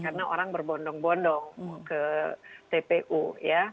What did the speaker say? karena orang berbondong bondong ke tpu ya